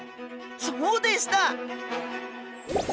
そうでした！